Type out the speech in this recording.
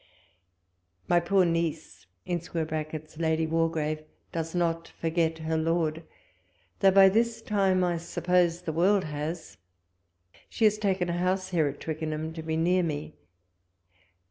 My poor niece [Lady Waldegrave] does not forget her Lord, though by this time I suppose the world has. She has taken a house here, at Twickenham, to be near me.